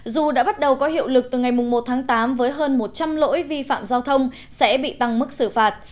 dù đã bắt đầu có hiệu lực từ ngày một tháng tám với hơn một trăm linh lỗi vi phạm giao thông sẽ bị tăng mức xử phạt